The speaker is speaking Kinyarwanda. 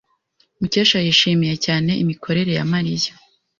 Mukesha yishimiye cyane imikorere ya Mariya.